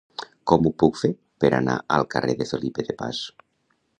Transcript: Com ho puc fer per anar al carrer de Felipe de Paz?